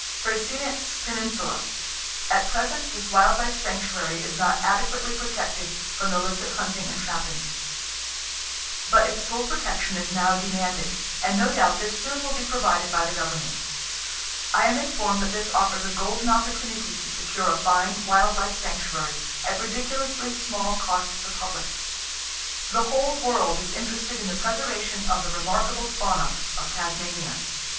Freycinet's Peninsula.—At present this wild life sanctuary is not adequately protected from illicit hunting and trapping; but its full protection is now demanded, and no doubt this soon will be provided by the government. I am informed that this offers a golden opportunity to secure a fine wild life sanctuary at ridiculously small cost to the public. The whole world is interested in the preservation of the remarkable fauna of Tasmania.